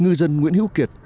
ngư dân nguyễn hiếu kiệt